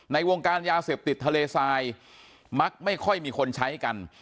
วงการยาเสพติดทะเลทรายมักไม่ค่อยมีคนใช้กัน